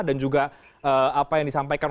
dan juga apa yang disampaikan